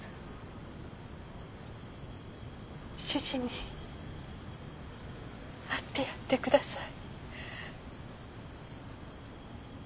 主人に会ってやってください。